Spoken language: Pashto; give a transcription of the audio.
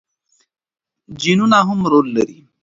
جینونه هم رول لري.